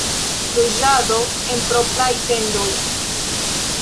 Loĝado en propraj tendoj.